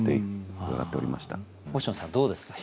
星野さんどうですか？